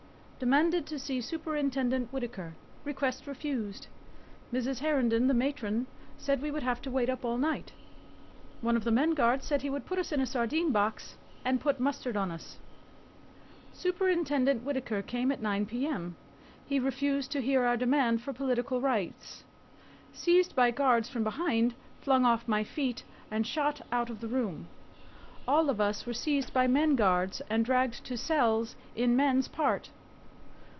Demanded to see Superintendent Whittaker. Request refused. Mrs. Herndon, the matron, said we would have to wait up all night. One of the men guards said he would "put us in sardine box and put mustard on us." Superintendent Whittaker came at 9 p. m. He refused to hear our demand for political rights. Seized by guards from behind, flung off my feet, and shot out of the room. All of us were seized by men guards and dragged to cells in men's part.